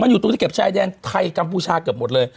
อยู่ตรงตะเบ็บชายแดนไทยกัมพูชาเกือบหมดเลย